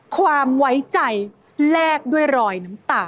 ความไว้ใจแลกด้วยรอยน้ำตา